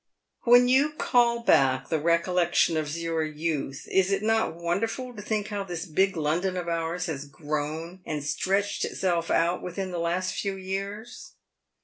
When you call back the recollections of your youth, is it not wonderful to think how this big London of ours has grown and stretched itself out within the last few years